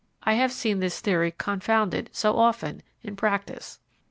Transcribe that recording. I have seen this theory confounded so often in practice.